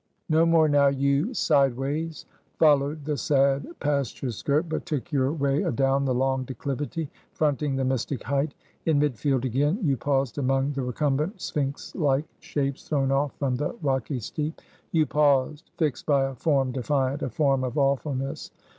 No more now you sideways followed the sad pasture's skirt, but took your way adown the long declivity, fronting the mystic height. In mid field again you paused among the recumbent sphinx like shapes thrown off from the rocky steep. You paused; fixed by a form defiant, a form of awfulness.